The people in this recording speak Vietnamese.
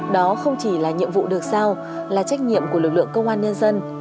đó không chỉ là nhiệm vụ được sao là trách nhiệm của lực lượng công an nhân dân